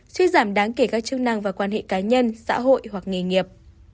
suy giảm đáng kể các chức năng và quan hệ cá nhân xã hội hoặc nghề nghiệp